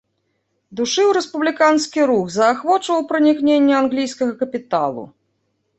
Душыў рэспубліканскі рух, заахвочваў пранікненне англійскага капіталу.